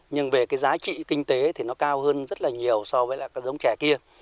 nhưng về giá trị kinh tế thì nó cao hơn rất là nhiều so với giống trẻ kia